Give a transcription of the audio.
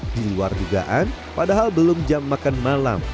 di luar dugaan padahal belum jam makan malam